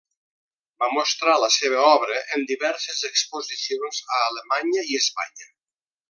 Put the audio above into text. Va mostrar la seva obra en diverses exposicions a Alemanya i Espanya.